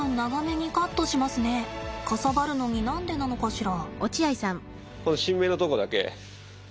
かさばるのに何でなのかしら。